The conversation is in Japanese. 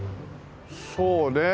そうねえ。